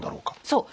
そう。